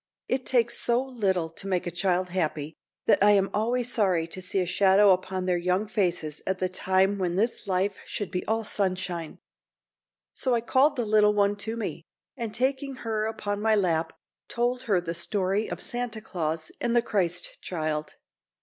It takes so little to make a child happy, that I am always sorry to see a shadow upon their young faces at the time when this life should be all sunshine, so I called the little one to me, and taking her upon my lap, told her the story of Santa Claus and the Christ child.